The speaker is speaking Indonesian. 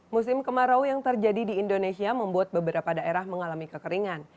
musim kemarau yang terjadi di indonesia membuat beberapa daerah mengalami kekeringan